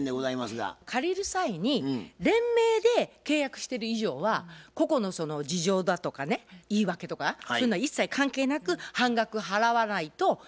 借りる際に連名で契約してる以上は個々のその事情だとかね言い訳とかそういうのは一切関係なく半額払わないといけないと思います。